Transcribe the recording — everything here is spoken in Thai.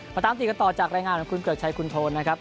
ตามติดกันต่อจากรายงานของคุณเกริกชัยคุณโทนนะครับ